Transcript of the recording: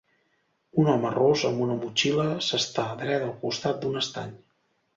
Un home ros amb una motxilla s'està dret al costat d'un estany.